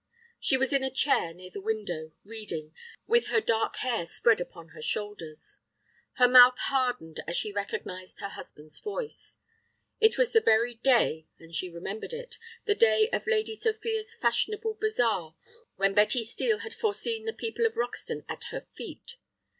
She was in a chair near the window, reading, with her dark hair spread upon her shoulders. Her mouth hardened as she recognized her husband's voice. It was the very day, and she remembered it, the day of Lady Sophia's fashionable bazaar when Betty Steel had foreseen the people of Roxton at her feet.